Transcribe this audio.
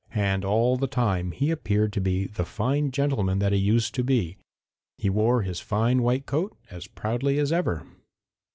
And all the time he appeared to be the fine gentleman that he used to be. He wore his fine white coat as proudly as ever.